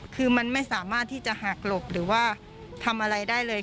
คือมันไม่สามารถที่จะหักหลบหรือว่าทำอะไรได้เลย